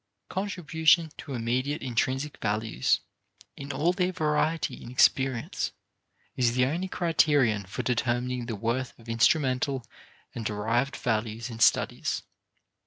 Contribution to immediate intrinsic values in all their variety in experience is the only criterion for determining the worth of instrumental and derived values in studies.